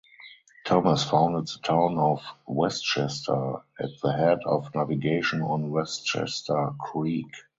Thomas founded the town of Westchester at the head of navigation on Westchester Creek.